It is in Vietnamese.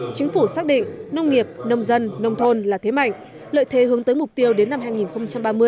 chính phủ xác định nông nghiệp nông dân nông thôn là thế mạnh lợi thế hướng tới mục tiêu đến năm hai nghìn ba mươi